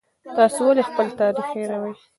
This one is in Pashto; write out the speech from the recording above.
تاسې ولې خپل تاریخ هېروئ؟